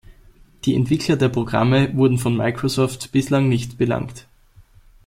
Die Entwickler der Programme wurden von Microsoft bislang nicht belangt.